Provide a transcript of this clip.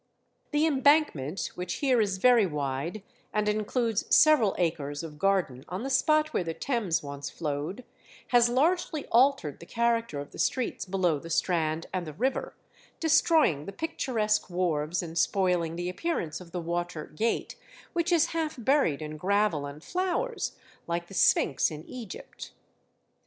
The embankment, which here is very wide, and includes several acres of garden on the spot where the Thames once flowed, has largely altered the character of the streets below the Strand and the river, destroying the picturesque wharves and spoiling the appearance of the Water Gate, which is half buried in gravel and flowers, like the Sphynx in Egypt.